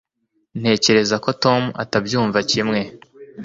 Ntekereza ko Tom atabyumva kimwe